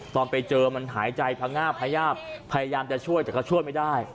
ตอนไปเจอมันหายใจพงาบพยาบพยายามจะช่วยแต่ก็ช่วยไม่ได้